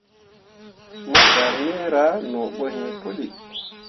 Ma darmeera no bo iŋ puli.